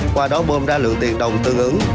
qua đó bơm ra lượng tiền đồng tương ứng